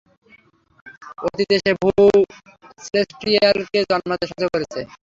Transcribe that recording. অতীতে সে বহু সেলেস্টিয়ালকে জন্মাতে সাহায্য করেছে।